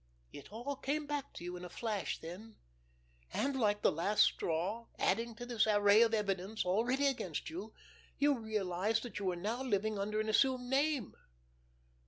It all came back to you in a flash then; and, like the last straw, adding to this array of evidence already against you, you realized that you were now living under an assumed name.